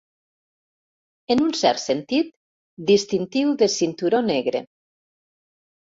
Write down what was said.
En un cert sentit, distintiu de cinturó negre.